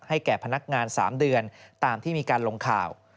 แก่พนักงาน๓เดือนตามที่มีการลงข่าว